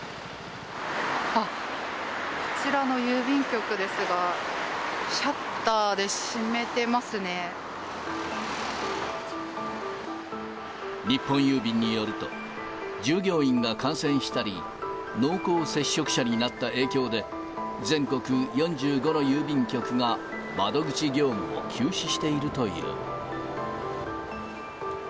あっ、こちらの郵便局ですが、日本郵便によると、従業員が感染したり、濃厚接触者になった影響で、全国４５の郵便局が窓口業務を休止しているという。